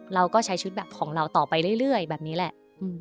เราก็ใช้ชุดแบบของเราต่อไปเรื่อยแบบนี้แหละ